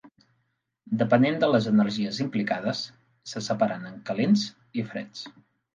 Depenent de les energies implicades, se separen en "calents" i "freds".